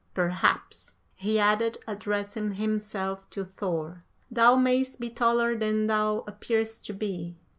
Perhaps,' he added, addressing himself to Thor, 'thou mayst be taller than thou appearest to be.